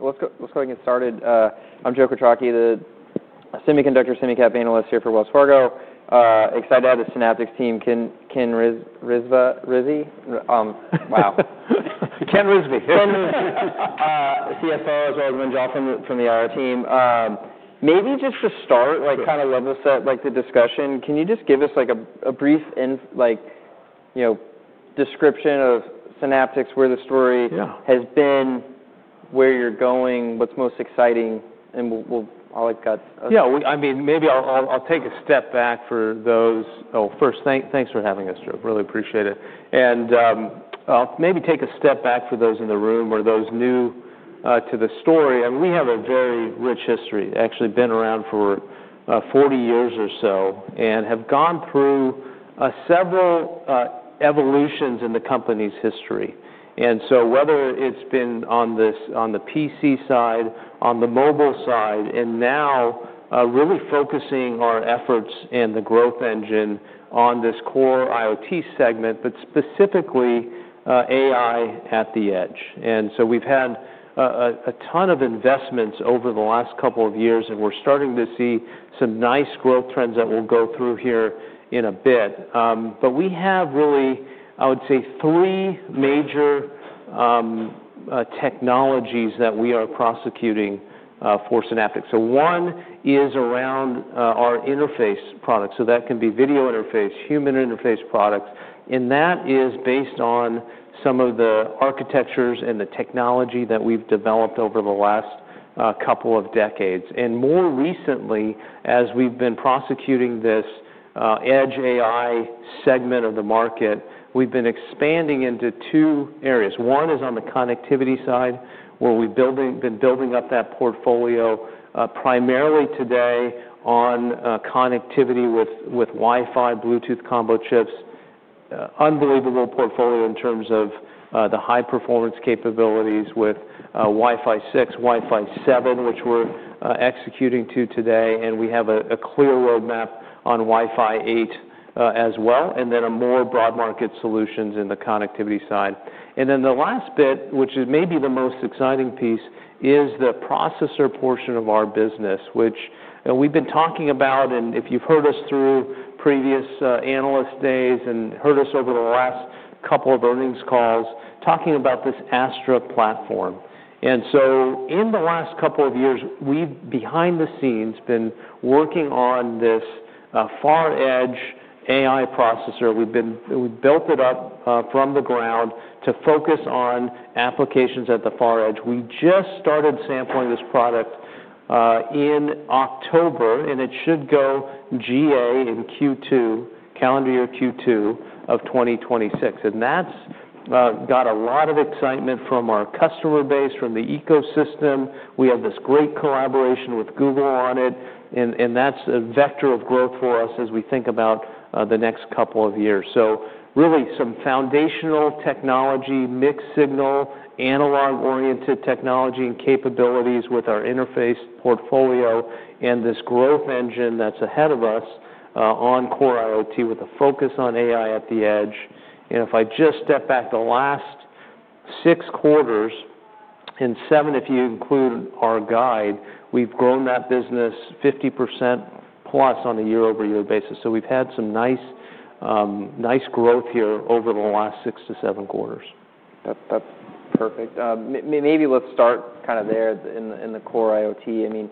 Let's go, let's go ahead and get started. I'm Joe Quatrochi, the Semiconductor Semicap Analyst here for Wells Fargo. Excited to have the Synaptics team, Ken, Ken Rizvi, wow. Ken Rizvi. Ken Rizvi, CFO, as well as Munjal from the IR team. Maybe just to start, like, kind of level set, like, the discussion, can you just give us, like, a brief inf, like, you know, description of Synaptics, where the story. Yeah. Has been, where you're going, what's most exciting, and I'll, like, got. Yeah, we, I mean, maybe I'll take a step back for those. Oh, first, thank, thanks for having us, Joe. Really appreciate it. I'll maybe take a step back for those in the room or those new to the story. I mean, we have a very rich history, actually been around for 40 years or so, and have gone through several evolutions in the company's history. Whether it's been on the PC side, on the Mobile Side, and now really focusing our efforts and the growth engine on this Core IoT segment, but specifically, AI at the Edge. We've had a ton of investments over the last couple of years, and we're starting to see some nice growth trends that we'll go through here in a bit. We have really, I would say, three major technologies that we are prosecuting for Synaptics. One is around our interface products. That can be Video Interface, Human Interface Products. That is based on some of the architectures and the technology that we have developed over the last couple of decades. More recently, as we have been prosecuting this Edge AI segment of the market, we have been expanding into two areas. One is on the connectivity side, where we have been building up that portfolio, primarily today on connectivity with Wi-Fi, Bluetooth combo chips, unbelievable portfolio in terms of the high-performance capabilities with Wi-Fi 6, Wi-Fi 7, which we are executing to today. We have a clear roadmap on Wi-Fi 8 as well, and then more broad market solutions in the connectivity side. The last bit, which is maybe the most exciting piece, is the processor portion of our business, which, and we've been talking about, and if you've heard us through previous Analyst Days and heard us over the last couple of earnings calls, talking about this Astra platform. In the last couple of years, we've, behind the scenes, been working on this Far-Edge AI processor. We've built it up from the ground to focus on applications at the far Edge. We just started sampling this product in October, and it should go GA in Calendar Year q2 of 2026. That's got a lot of excitement from our customer base, from the ecosystem. We have this great collaboration with Google on it, and that's a vector of growth for us as we think about the next couple of years. Really some Foundational Technology, Mixed-signal, Analog-oriented Technology and capabilities with our interface portfolio, and this growth engine that's ahead of us, on Core IoT with a focus on AI at the Edge. If I just step back the last six quarters, and seven if you include our guide, we've grown that business 50%+ on a year-over-year basis. We've had some nice, nice growth here over the last six to seven quarters. That's, that's perfect. Maybe let's start kind of there in the, in the Core IoT. I mean,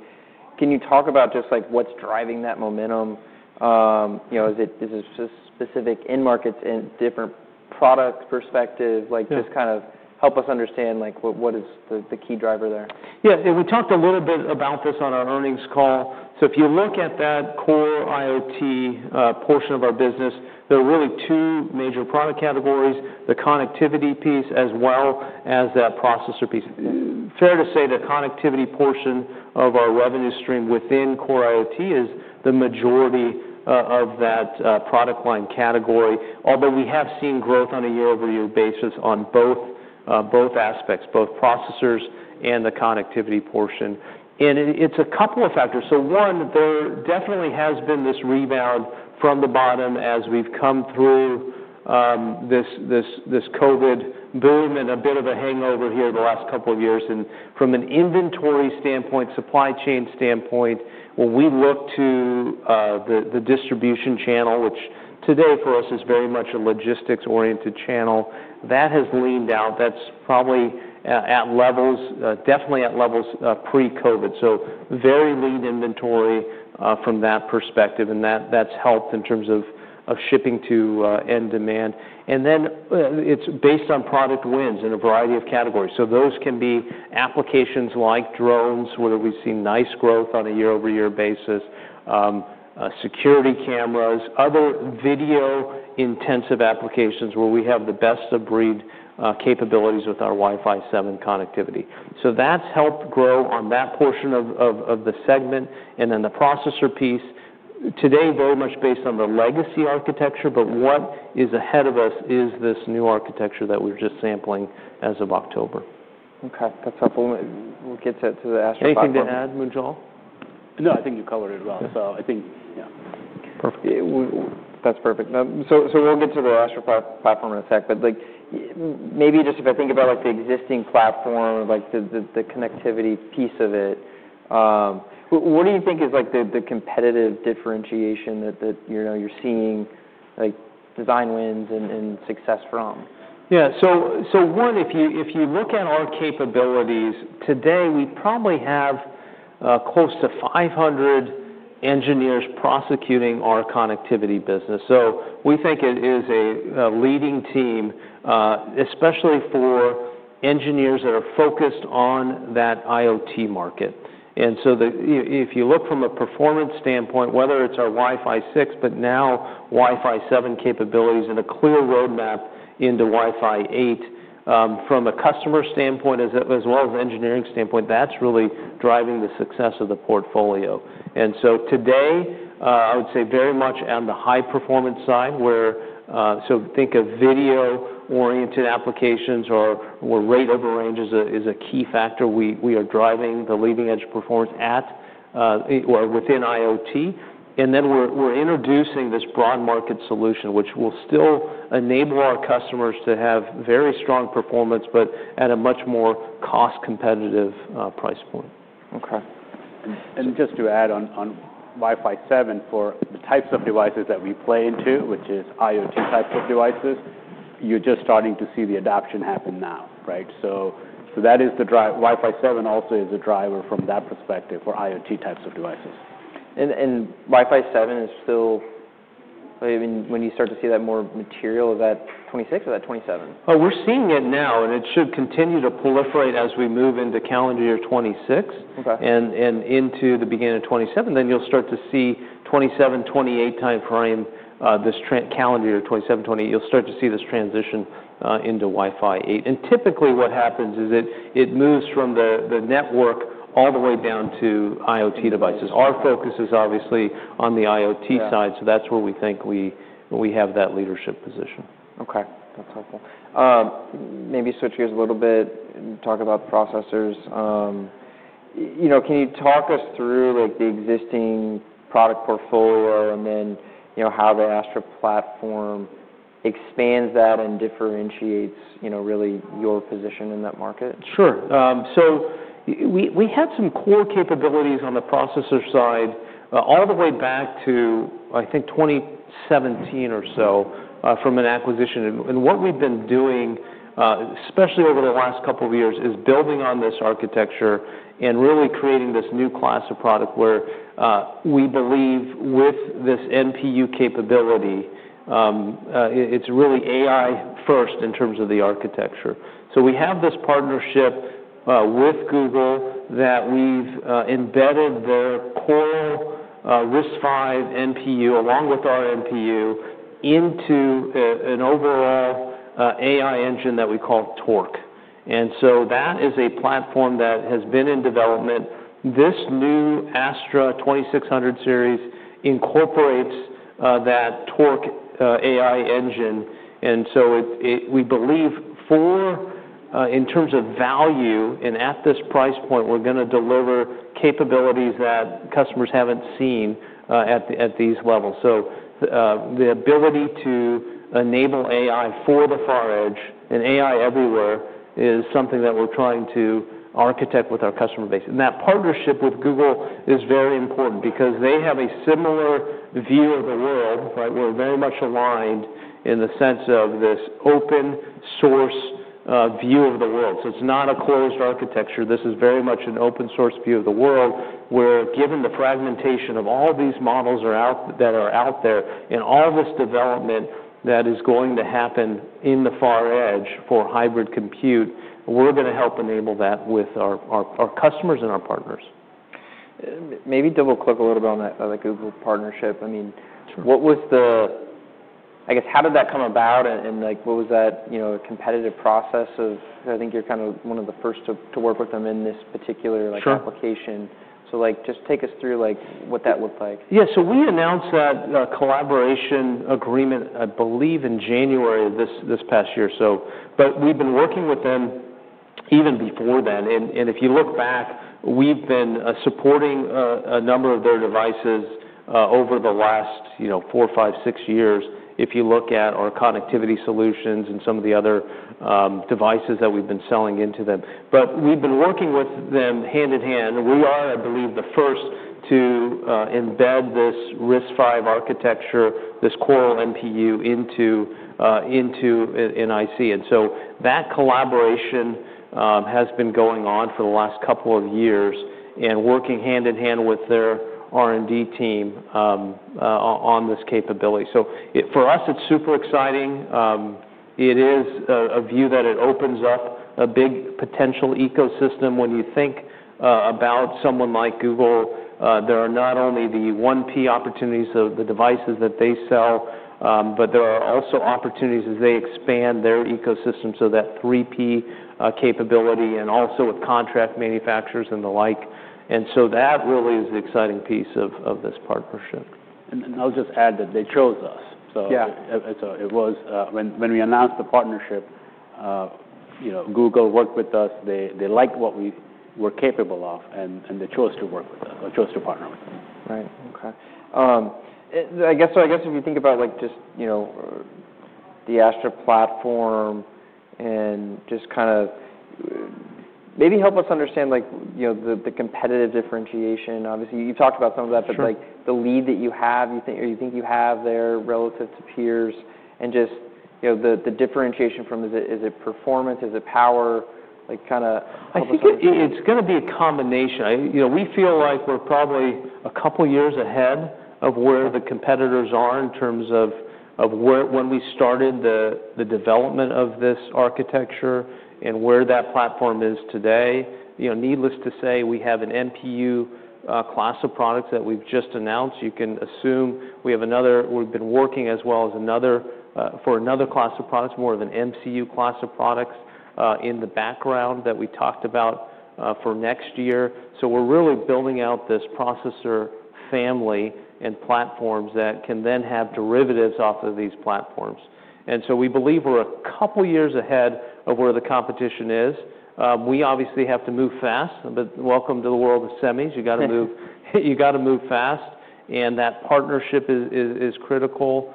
can you talk about just, like, what's driving that momentum? You know, is it, is it specific in markets and different product perspectives? Like, just kind of help us understand, like, what, what is the, the key driver there? Yeah, and we talked a little bit about this on our earnings call. If you look at that Core IoT portion of our business, there are really two major product categories: the connectivity piece as well as that processor piece. Fair to say the connectivity portion of our revenue stream within Core IoT is the majority of that product line category. Although we have seen growth on a year-over-year basis on both aspects, both Processors and the Connectivity portion. It is a couple of factors. One, there definitely has been this rebound from the bottom as we have come through this COVID boom and a bit of a hangover here the last couple of years. From an inventory standpoint, supply chain standpoint, when we look to the Distribution channel, which today for us is very much a Logistics-oriented channel, that has leaned out. That's probably, at levels, definitely at levels, Pre-COVID. Very lean inventory, from that perspective. That has helped in terms of shipping to end demand. It is based on product wins in a variety of categories. Those can be applications like drones, where we've seen nice growth on a year-over-year basis, Security Cameras, other Video Intensive Applications where we have the Best-of-breed Capabilities with our Wi-Fi 7 connectivity. That has helped grow on that portion of the segment. The processor piece today is very much based on the legacy architecture, but what is ahead of us is this new architecture that we're just sampling as of October. Okay. That's helpful. We'll get to the Astra platform. Anything to add, Munjal? No, I think you covered it well. I think, yeah. Perfect. We—that's perfect. So we'll get to the Astra platform in a sec. But, like, maybe just if I think about, like, the existing platform, like, the connectivity piece of it, what do you think is, like, the competitive differentiation that, you know, you're seeing, like, design wins and success from? Yeah. So, if you look at our capabilities today, we probably have close to 500 engineers prosecuting our connectivity business. We think it is a leading team, especially for engineers that are focused on that IoT market. If you look from a performance standpoint, whether it's our Wi-Fi 6, but now Wi-Fi 7 capabilities and a clear roadmap into Wi-Fi 8, from a customer standpoint as well as engineering standpoint, that's really driving the success of the portfolio. Today, I would say very much on the high-performance side where, so think of video-oriented applications or rate of arranges is a key factor. We are driving the leading-Edge performance at, or within IoT. We are introducing this broad market solution, which will still enable our customers to have very strong performance, but at a much more cost-competitive price point. Okay. Just to add on, on Wi-Fi 7 for the types of devices that we play into, which is IoT types of devices, you're just starting to see the adoption happen now, right? That is the drive. Wi-Fi 7 also is a driver from that perspective for IoT types of devices. Wi-Fi 7 is still, I mean, when you start to see that more material, is that 2026 or is that 2027? Oh, we're seeing it now, and it should continue to proliferate as we move Calendar Year 2026. Okay. Into the beginning of 2027, you'll start to see 2027-2028 timeframe, Calendar Year 2027-2028, you'll start to see this transition into Wi-Fi 8. Typically what happens is it moves from the network all the way down to IoT devices. Our focus is obviously on the IoT side. That's where we think we have that leadership position. Okay. That's helpful. Maybe switch gears a little bit and talk about processors. You know, can you talk us through, like, the existing product portfolio and then, you know, how the Astra platform expands that and differentiates, you know, really your position in that market? Sure. We had some Core capabilities on the processor side, all the way back to, I think, 2017 or so, from an acquisition. What we've been doing, especially over the last couple of years, is building on this architecture and really creating this new class of product where we believe with this NPU capability, it's really AI-first in terms of the architecture. We have this partnership with Google that we've embedded their Core RISC-V NPU along with our NPU into an overall AI engine that we call Torque. That is a platform that has been in development. This new Astra 2600 Series incorporates that Torque AI engine. We believe, in terms of value and at this price point, we're gonna deliver capabilities that customers haven't seen at these levels. The ability to enable AI for the far Edge and AI everywhere is something that we're trying to architect with our customer base. That partnership with Google is very important because they have a similar view of the world, right? We're very much aligned in the sense of this open-source view of the world. It is not a closed architecture. This is very much an open-source view of the world where, given the fragmentation of all these models that are out there and all this development that is going to happen in the far Edge for Hybrid Compute, we're gonna help enable that with our customers and our partners. Maybe double-click a little bit on that, on the Google partnership. I mean. Sure. What was the, I guess, how did that come about and, like, what was that, you know, competitive process of, I think you're kind of one of the first to work with them in this particular, like. Sure. Application. Like, just take us through, like, what that looked like. Yeah. We announced that collaboration agreement, I believe, in January of this past year. We have been working with them even before then. If you look back, we have been supporting a number of their devices over the last, you know, four, five, six years, if you look at our connectivity solutions and some of the other devices that we have been selling into them. We have been working with them hand in hand. We are, I believe, the first to embed this RISC-V architecture, this Core NPU into an IC. That collaboration has been going on for the last couple of years and working hand in hand with their R&D team on this capability. For us, it is super exciting. It is a view that it opens up a Big Potential Ecosystem. When you think about someone like Google, there are not only the 1P opportunities, the devices that they sell, but there are also opportunities as they expand their ecosystem so that 3P capability and also with contract manufacturers and the like. That really is the exciting piece of this partnership. I'll just add that they chose us. Yeah. It was, when we announced the partnership, you know, Google worked with us. They liked what we were capable of, and they chose to work with us or chose to partner with us. Right. Okay. I guess, so I guess if you think about, like, just, you know, the Astra platform and just kind of maybe help us understand, like, you know, the, the competitive differentiation. Obviously, you've talked about some of that. Sure. The lead that you have, you think, or you think you have there relative to peers and just, you know, the differentiation from, is it, is it performance? Is it power? Kind of help us understand. I think it's gonna be a combination. I, you know, we feel like we're probably a couple of years ahead of where the competitors are in terms of where, when we started the development of this architecture and where that platform is today. You know, needless to say, we have an NPU class of products that we've just announced. You can assume we have another, we've been working as well as another, for another class of products, more of an MCU class of products, in the background that we talked about, for next year. So we're really building out this processor family and platforms that can then have derivatives off of these platforms. And so we believe we're a couple of years ahead of where the competition is. We obviously have to move fast, but welcome to the world of semis. You gotta move. Sure. You gotta move fast. That partnership is critical.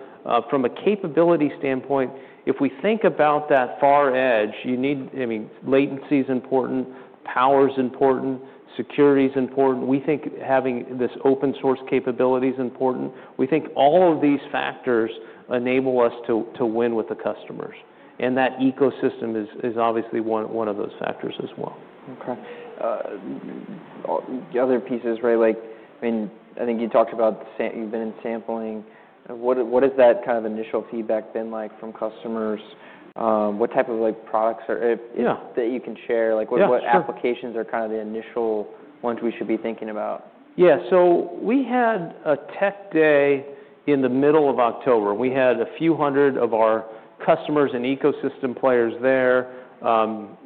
From a capability standpoint, if we think about that far Edge, you need, I mean, latency's important, power's important, security's important. We think having this open-source capability's important. We think all of these factors enable us to win with the customers. That ecosystem is obviously one of those factors as well. Okay. The other pieces, right? Like, I mean, I think you talked about the samp, you've been in sampling. What, what has that kind of initial feedback been like from customers? What type of, like, products are it. Yeah. That you can share? Like, what applications are kind of the initial ones we should be thinking about? Yeah. We had a tech day in the middle of October. We had a few hundred of our customers and ecosystem players there.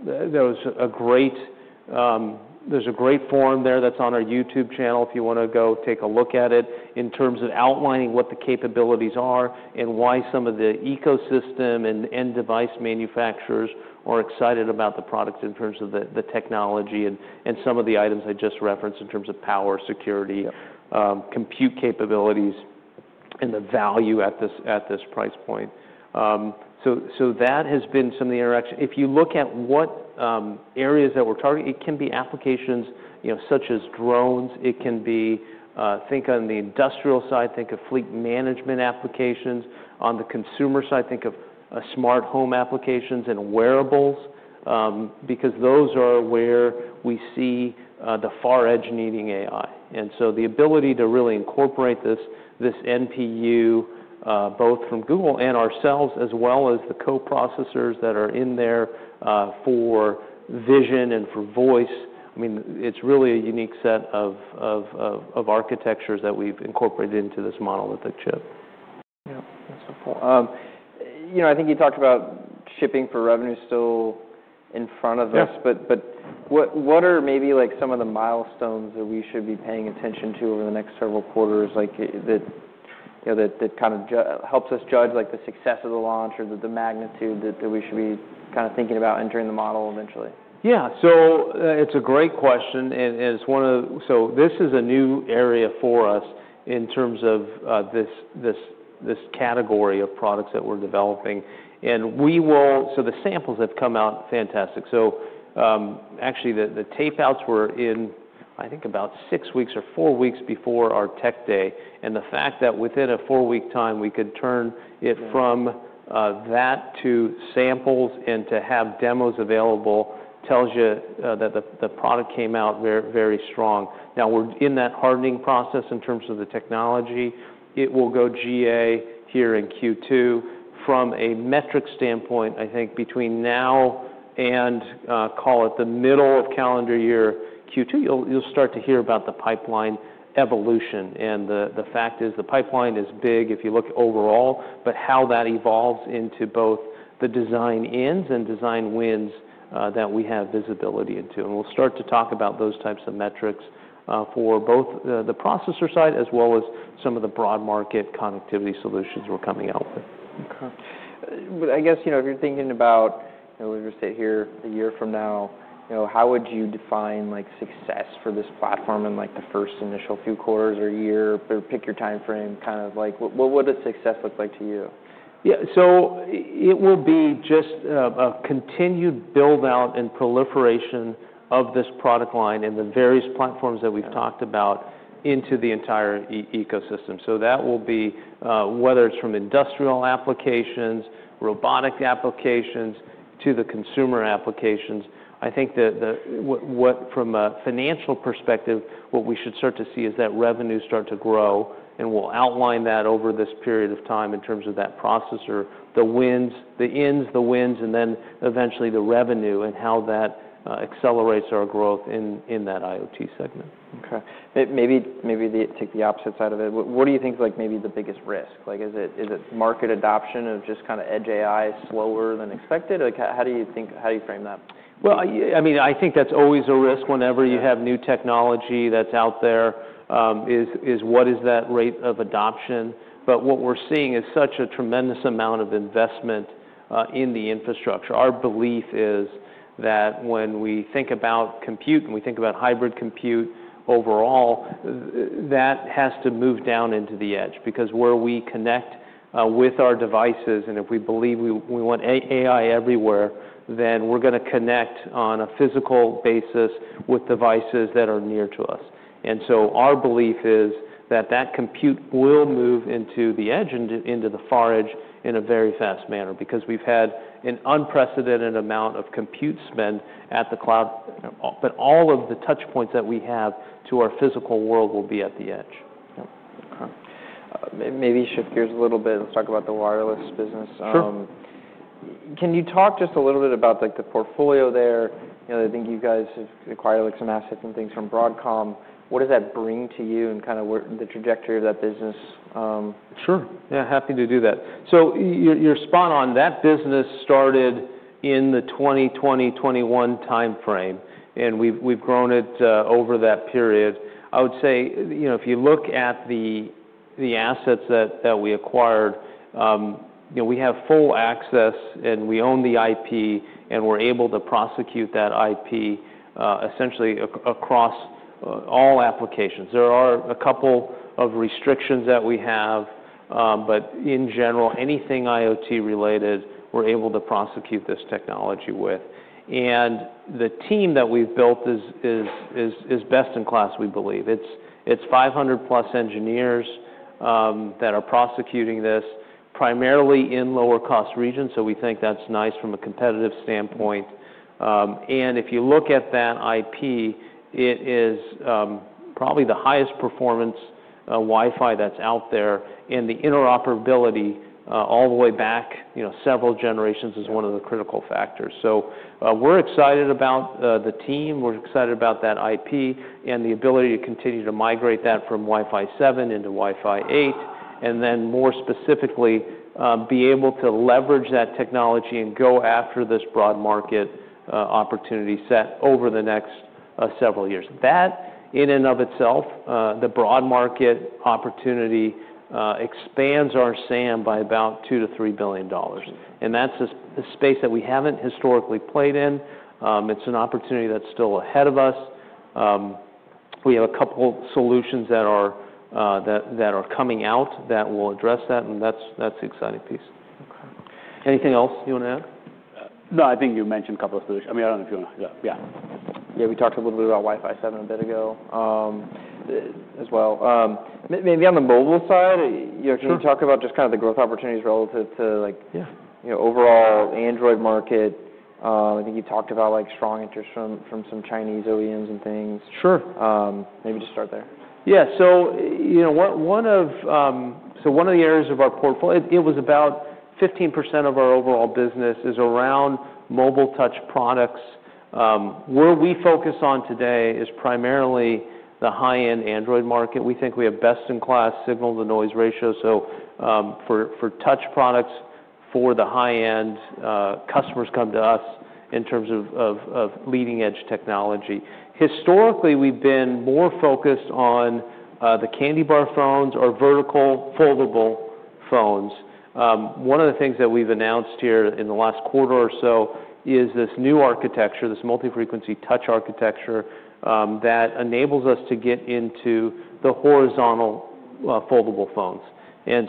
There was a great forum there that's on our YouTube channel if you wanna go take a look at it in terms of outlining what the capabilities are and why some of the ecosystem and Device Manufacturers are excited about the products in terms of the technology and some of the items I just referenced in terms of power, security. Yeah. Compute capabilities and the value at this, at this price point. That has been some of the interaction. If you look at what areas that we're targeting, it can be applications, you know, such as drones. It can be, think on the industrial side, think of Fleet Management Applications. On the consumer side, think of smart home applications and wearables, because those are where we see the far Edge needing AI. The ability to really incorporate this NPU, both from Google and ourselves, as well as the Co-processors that are in there for vision and for voice, I mean, it's really a unique set of architectures that we've incorporated into this monolithic chip. Yeah. That's helpful. You know, I think you talked about shipping for revenue still in front of us. Yes. What are maybe, like, some of the milestones that we should be paying attention to over the next several quarters, like, that, you know, that kind of helps us judge, like, the success of the launch or the magnitude that we should be kind of thinking about entering the model eventually? Yeah. It is a great question. It is one of the, this is a new area for us in terms of this category of products that we are developing. We will, the samples have come out fantastic. Actually, the tape outs were in, I think, about six weeks or four weeks before our tech day. The fact that within a four-week time, we could turn it from that to samples and to have demos available tells you the product came out very, very strong. Now, we are in that hardening process in terms of the technology. It will go GA here in Q2. From a metric standpoint, I think between now and, call it the middle Calendar Year q2, you will start to hear about the Pipeline Evolution. The fact is the pipeline is big if you look overall, but how that evolves into both the design ends and design wins, that we have visibility into. We will start to talk about those types of metrics, for both the processor side as well as some of the broad market connectivity solutions we are coming out with. Okay. I guess, you know, if you're thinking about, you know, we're gonna sit here a year from now, you know, how would you define, like, success for this platform in, like, the first initial few quarters or year or pick your timeframe, kind of, like, what, what would a success look like to you? Yeah. It will be just a continued build-out and proliferation of this product line and the various platforms that we've talked about into the entire ecosystem. That will be, whether it's from Industrial Applications, Robotic Applications, to the Consumer Applications. I think that what, from a financial perspective, what we should start to see is that revenue start to grow. We'll outline that over this period of time in terms of that processor, the wins, the ends, the wins, and then eventually the revenue and how that accelerates our growth in that IoT segment. Okay. Maybe, maybe take the opposite side of it. What do you think's, like, maybe the biggest risk? Like, is it market adoption of just kind of Edge AI slower than expected? Like, how do you think, how do you frame that? I mean, I think that's always a risk whenever you have new technology that's out there, is what is that Rate of Adoption. What we're seeing is such a tremendous amount of investment in the infrastructure. Our belief is that when we think about compute and we think about hybrid compute overall, that has to move down into the Edge because where we connect with our devices, and if we believe we want AI everywhere, then we're gonna connect on a physical basis with devices that are near to us. Our belief is that that compute will move into the Edge and into the far Edge in a very fast manner because we've had an unprecedented amount of compute spend at the cloud, but all of the touch points that we have to our physical world will be at the Edge. Okay. Maybe shift gears a little bit and let's talk about the wireless business. Sure. Can you talk just a little bit about, like, the portfolio there? You know, I think you guys have acquired, like, some assets and things from Broadcom. What does that bring to you and kind of where the trajectory of that business? Sure. Yeah. Happy to do that. You're spot on. That business started in the 2020, 2021 timeframe, and we've grown it over that period. I would say, you know, if you look at the assets that we acquired, you know, we have full access and we own the IP and we're able to prosecute that IP, essentially across all applications. There are a couple of restrictions that we have, but in general, anything IoT related, we're able to prosecute this technology with. The team that we've built is best in class, we believe. It's 500+ engineers that are prosecuting this primarily in lower-cost regions. We think that's nice from a competitive standpoint. If you look at that IP, it is probably the highest performance Wi-Fi that's out there. The interoperability, all the way back, you know, several generations is one of the critical factors. We are excited about the team. We are excited about that IP and the ability to continue to migrate that from Wi-Fi 7 into Wi-Fi 8, and then more specifically, be able to leverage that technology and go after this broad market opportunity set over the next several years. That, in and of itself, the broad market opportunity, expands our SAN by about $2 billion-$3 billion. That is a space that we have not historically played in. It is an opportunity that is still ahead of us. We have a couple solutions that are coming out that will address that. That is the exciting piece. Okay. Anything else you wanna add? No. I think you mentioned a couple of solutions. I mean, I don't know if you wanna, yeah, yeah. Yeah. We talked a little bit about Wi-Fi 7 a bit ago, as well. Maybe on the mobile side, you're gonna talk about just kind of the growth opportunities relative to, like. Yeah. You know, overall Android market. I think you talked about, like, strong interest from, from some Chinese OEMs and things. Sure. Maybe just start there. Yeah. So, you know, one of the areas of our portfolio, it was about 15% of our overall business, is around mobile touch products. Where we focus on today is primarily the High-end Android market. We think we have Best-in-class signal-to-noise Ratio. So, for touch products for the High-end, customers come to us in terms of leading-Edge technology. Historically, we've been more focused on the Candy bar phones or Vertical Foldable phones. One of the things that we've announced here in the last quarter or so is this new architecture, this Multi-frequency Touch Architecture, that enables us to get into the Horizontal Foldable phones.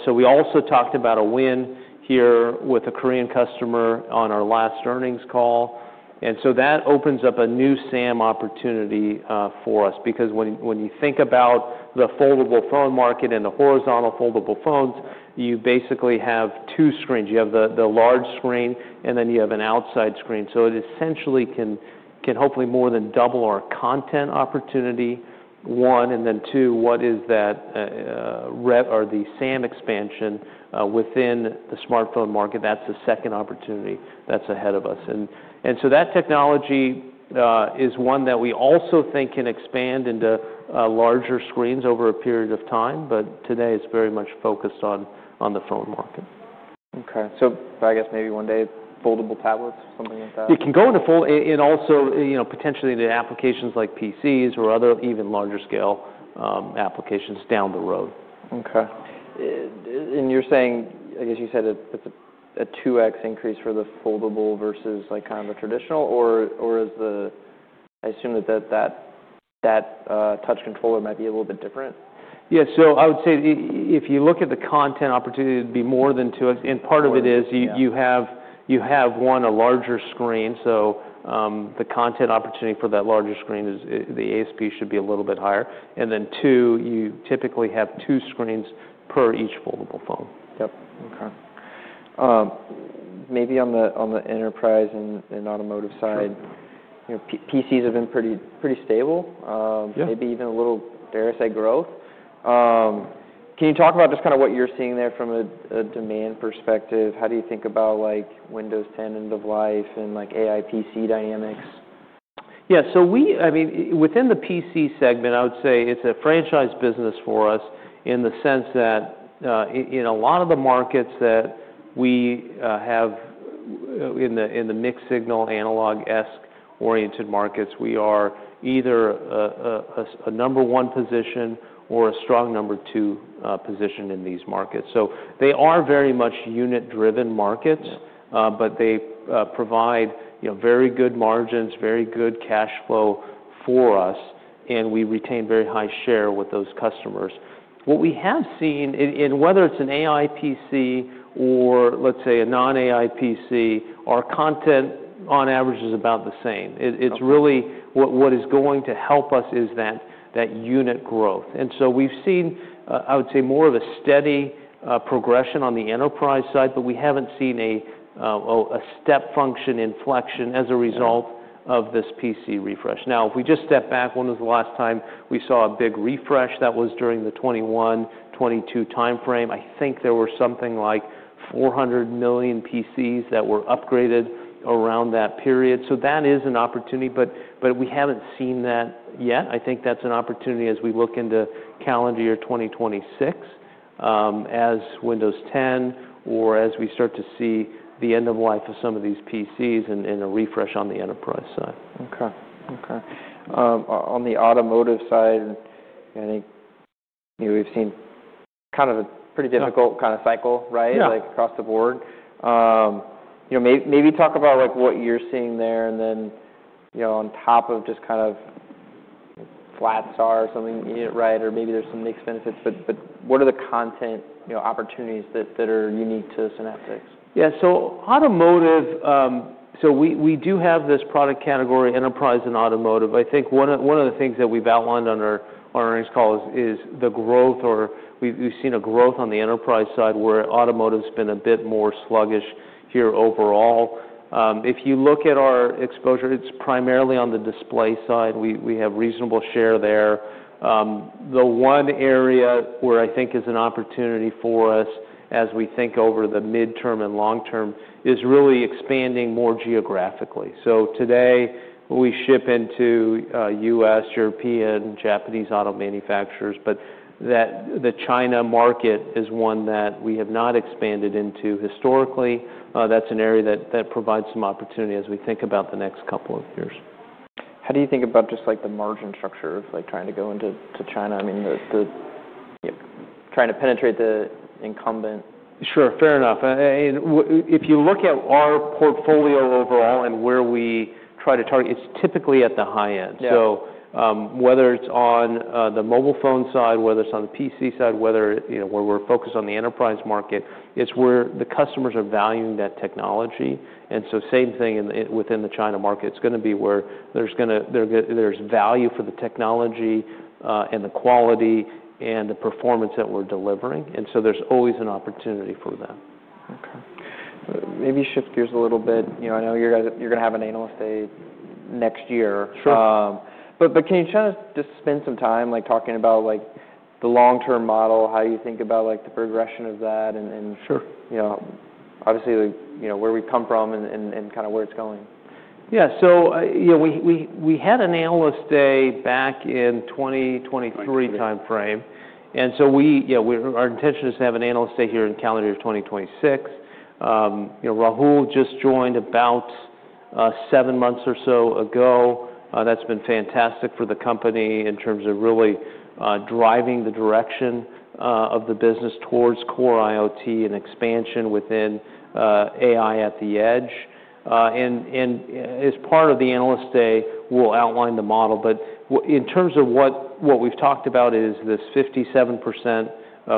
We also talked about a win here with a Korean customer on our last earnings call. That opens up a new SAM opportunity for us because when you think about the Foldable phone market and the Horizontal Foldable phones, you basically have two screens. You have the large screen and then you have an outside screen. It essentially can hopefully more than double our content opportunity. One. What is that rep or the SAM expansion within the smartphone market? That is the second opportunity that is ahead of us. That technology is one that we also think can expand into larger screens over a period of time. Today, it is very much focused on the phone market. Okay. I guess maybe one day, foldable tablets, something like that? It can go into fold and also, you know, potentially into applications like PCs or other even larger scale applications down the road. Okay. You're saying, I guess you said it's a 2x increase for the foldable versus, like, kind of a traditional, or is the, I assume that, that touch controller might be a little bit different? Yeah. I would say if you look at the content opportunity, it'd be more than 2x. Part of it is. Yeah. You have one, a larger screen. The content opportunity for that larger screen is, the ASP should be a little bit higher. Then, you typically have two screens per each foldable phone. Yep. Okay. Maybe on the, on the enterprise and, and automotive side, you know, PCs have been pretty, pretty stable. Yeah. Maybe even a little, very slight growth. Can you talk about just kind of what you're seeing there from a demand perspective? How do you think about, like, Windows 10 End of Life and, like, AI PC dynamics? Yeah. We, I mean, within the PC segment, I would say it's a franchise business for us in the sense that, in a lot of the markets that we have, in the mixed-signal analog-esque oriented markets, we are either a number one position or a strong number two position in these markets. They are very much unit-driven markets, but they provide, you know, very good margins, very good cash flow for us. We retain very high share with those customers. What we have seen, and whether it's an AI PC or, let's say, a non-AI PC, our content on average is about the same. It's really what is going to help us is that unit growth. We have seen, I would say, more of a steady progression on the enterprise side, but we have not seen a step function inflection as a result of this PC refresh. If we just step back, when was the last time we saw a big refresh? That was during the 2021-2022 timeframe. I think there were something like 400 million PCs that were upgraded around that period. That is an opportunity. We have not seen that yet. I think that is an opportunity as we look Calendar Year 2026, as Windows 10, or as we start to see the End of Life of some of these PCs and a refresh on the Enterprise Side. Okay. Okay. On the Automotive side, I think, you know, we've seen kind of a pretty difficult kind of cycle, right? Yeah. Like, across the board. You know, maybe talk about, like, what you're seeing there and then, you know, on top of just kind of flat start or something, you know, right? Or maybe there's some mixed benefits. But what are the content, you know, opportunities that are unique to Synaptics? Yeah. Automotive, we do have this product category, enterprise and automotive. I think one of the things that we've outlined on our earnings call is the growth or we've seen a growth on the enterprise side where automotive's been a bit more sluggish here overall. If you look at our exposure, it's primarily on the display side. We have reasonable share there. The one area where I think is an opportunity for us as we think over the midterm and long term is really expanding more geographically. Today, we ship into U.S., European, Japanese auto manufacturers. The China market is one that we have not expanded into historically. That's an area that provides some opportunity as we think about the next couple of years. How do you think about just, like, the margin structure of, like, trying to go into, to China? I mean, the, you know, trying to penetrate the incumbent. Sure. Fair enough. If you look at our portfolio overall and where we try to target, it's typically at the high end. Yeah. Whether it's on the mobile phone side, whether it's on the PC side, whether, you know, where we're focused on the enterprise market, it's where the customers are valuing that technology. Same thing within the China market. It's gonna be where there's value for the technology, and the quality and the performance that we're delivering. There's always an opportunity for that. Okay. Maybe shift gears a little bit. You know, I know you're gonna, you're gonna have an Analyst Day next year. Sure. Can you just spend some time, like, talking about, like, the Long-term Model, how you think about, like, the progression of that? Sure. You know, obviously, like, you know, where we come from and kind of where it's going. Yeah. So, you know, we had an Analyst Day back in 2023 timeframe. And so we, you know, our intention is to have an Analyst Day here Calendar Year 2026. You know, Rahul just joined about seven months or so ago. That's been fantastic for the company in terms of really driving the direction of the business towards Core IoT and expansion within AI at the Edge. And as part of the Analyst Day, we'll outline the model. But in terms of what we've talked about is this 57%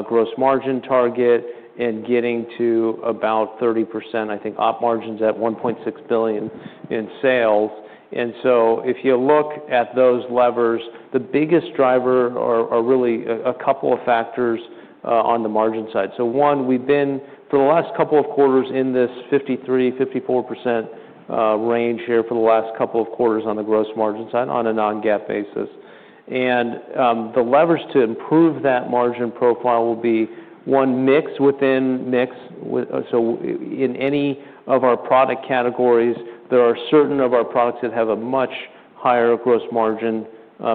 gross margin target and getting to about 30%, I think, op margins at $1.6 billion in sales. And so if you look at those levers, the biggest driver are really a couple of factors on the margin side. We have been for the last couple of quarters in this 53%-54% range here for the last couple of quarters on the gross margin side on a non-GAAP basis. The levers to improve that margin profile will be one, mix within mix with, so in any of our product categories, there are certain of our products that have a much higher gross margin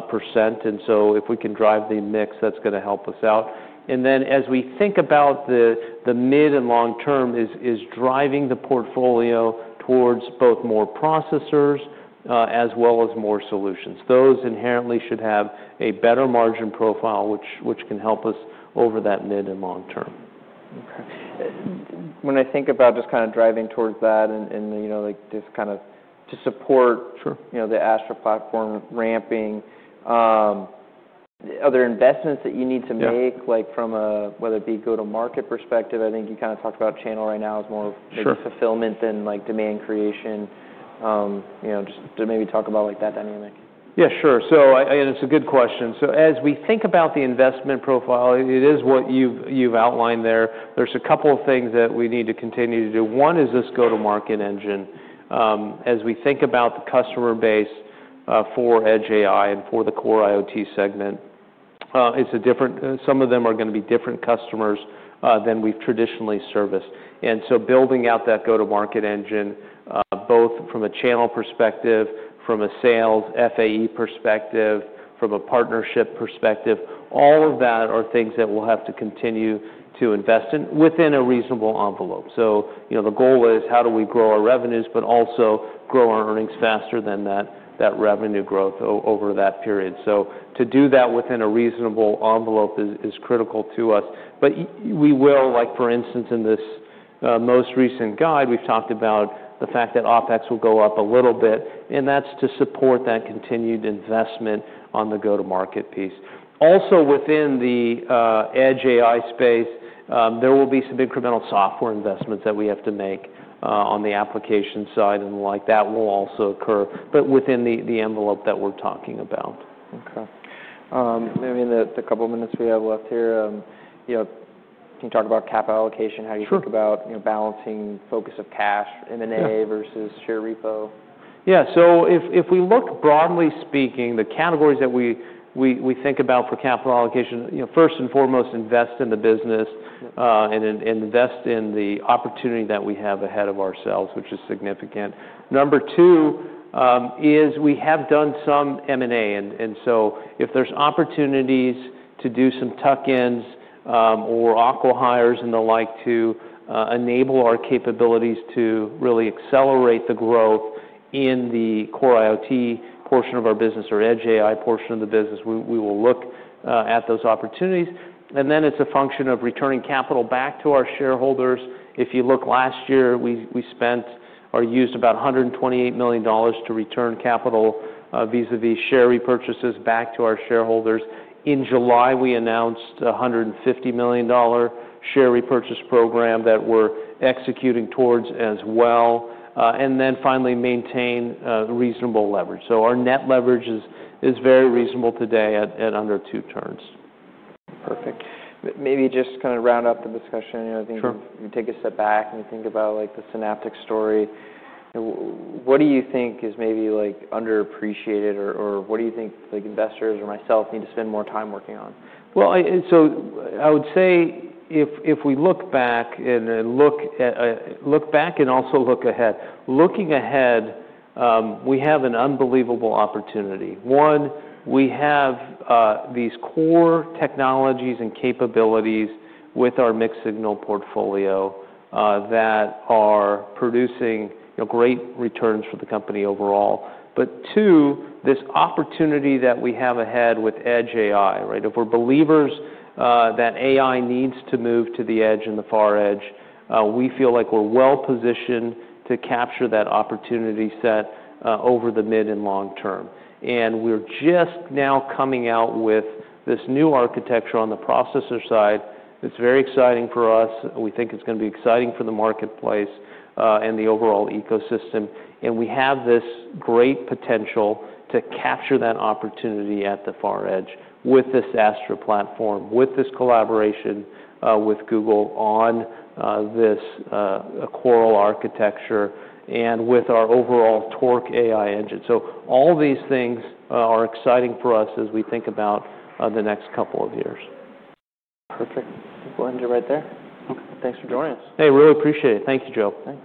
percentage. If we can drive the mix, that's going to help us out. As we think about the mid and long term, it is driving the portfolio towards both more processors, as well as more solutions. Those inherently should have a better margin profile, which can help us over that mid and long term. Okay. When I think about just kind of driving towards that and, you know, like, just kind of to support. Sure. You know, the Astra platform ramping, other investments that you need to make. Yeah. Like, from a, whether it be Go-to-market perspective, I think you kind of talked about channel right now is more of. Sure. Maybe fulfillment than, like, demand creation. You know, just to maybe talk about, like, that dynamic. Yeah. Sure. So I, and it's a good question. As we think about the investment profile, it is what you've outlined there. There's a couple of things that we need to continue to do. One is this Go-to-market engine. As we think about the customer base, for Edge AI and for the Core IoT segment, it's a different, some of them are gonna be different customers, than we've traditionally serviced. And so building out that Go-to-market engine, both from a channel perspective, from a Sales FAE perspective, from a partnership perspective, all of that are things that we'll have to continue to invest in within a reasonable envelope. You know, the goal is how do we grow our revenues but also grow our earnings faster than that, that revenue growth over that period. To do that within a reasonable envelope is critical to us. For instance, in this most recent guide, we've talked about the fact that OpEx will go up a little bit. That's to support that continued investment on the Go-to-market piece. Also within the Edge AI space, there will be some Incremental Software Investments that we have to make, on the application side and the like. That will also occur, but within the envelope that we're talking about. Okay. I mean, the couple of minutes we have left here, you know, can you talk about Capital Allocation? How do you think about. Sure. You know, balancing focus of cash M&A versus share repo? Yeah. If we look broadly speaking, the categories that we think about for Capital Allocation, first and foremost, invest in the business, and invest in the opportunity that we have ahead of ourselves, which is significant. Number two is we have done some M&A. If there are opportunities to do some tuck-ins, or Aqua hires and the like to enable our capabilities to really accelerate the growth in the Core IoT portion of our business or Edge AI portion of the business, we will look at those opportunities. Then it is a function of returning capital back to our shareholders. If you look last year, we spent or used about $128 million to return capital, vis-à-vis share repurchases back to our shareholders. In July, we announced a $150 million share repurchase program that we are executing towards as well. and then finally maintain reasonable leverage. Our net leverage is very reasonable today at under two turns. Perfect. Maybe just kind of round up the discussion. You know, I think. Sure. You take a step back and you think about, like, the Synaptics story. What do you think is maybe, like, underappreciated or, or what do you think, like, investors or myself need to spend more time working on? I would say if we look back and look ahead, looking ahead, we have an unbelievable opportunity. One, we have these Core technologies and capabilities with our mixed signal portfolio that are producing, you know, great returns for the company overall. Two, this opportunity that we have ahead with Edge AI, right? If we're believers that AI needs to move to the Edge and the far Edge, we feel like we're well-positioned to capture that opportunity set over the mid and long term. We are just now coming out with this new architecture on the processor side. It's very exciting for us. We think it's gonna be exciting for the marketplace and the overall ecosystem. We have this great potential to capture that opportunity at the far Edge with this Astra platform, with this collaboration with Google on this quarrel architecture and with our overall Torque AI engine. All these things are exciting for us as we think about the next couple of years. Perfect. We'll end it right there. Okay. Thanks for joining us. Hey, really appreciate it. Thank you, Joe. Thanks.